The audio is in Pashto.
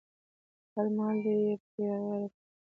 خپل مال دې پې بغرۍ که.